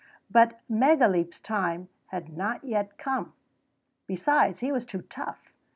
But Megaleep's time had not yet come; besides, he was too tough.